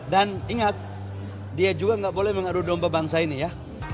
dan ingat dia juga tidak boleh mengadu dompa bangsa ini ya